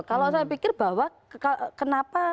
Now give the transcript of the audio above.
kalau saya pikir bahwa kenapa